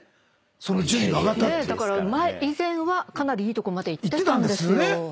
以前はかなりいいとこまでいってたんですよ。